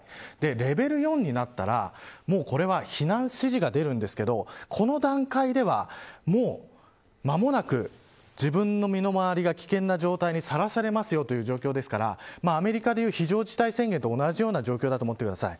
レベル４になったらこれは避難指示が出るんですけどこの段階では間もなく自分の身の回りが危険な状態にさらされますよという状況ですからアメリカでいう非常事態宣言と同じような状況だと思ってください。